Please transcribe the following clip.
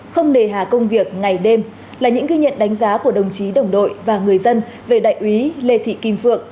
không nề hà công việc ngày đêm là những ghi nhận đánh giá của đồng chí đồng đội và người dân về đại úy lê thị kim phượng